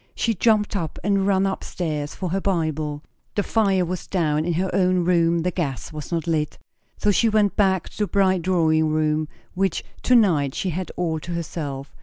She jumped up and ran up stairs for her Bible. The fire was down in her own room; the gas was not lit; so she went back to the bright drawing room, which to night she had all to herself.